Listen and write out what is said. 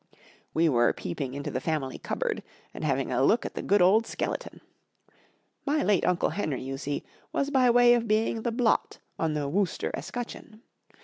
We were peeping into the family cupboard and having a look at the good old skeleton. My late Uncle Henry, you see, was by way of being the blot on the Wooster escutcheon.